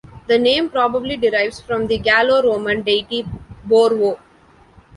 The name probably derives from the Gallo-Roman deity Borvo.